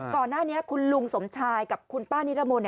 ก่อนหน้านี้คุณลุงสมชายกับคุณป้านิรมนต์